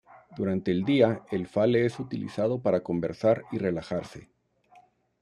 Durante el día, el fale es utilizado para conversar y relajarse.